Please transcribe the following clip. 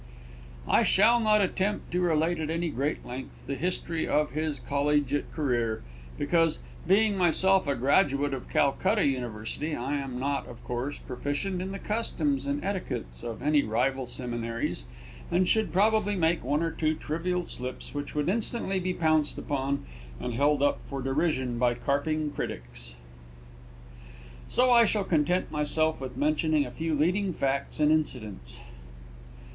I shall not attempt to relate at any great length the history of his collegiate career, because, being myself a graduate of Calcutta University, I am not, of course, proficient in the customs and etiquettes of any rival seminaries, and should probably make one or two trivial slips which would instantly be pounced upon and held up for derision by carping critics. So I shall content myself with mentioning a few leading facts and incidents.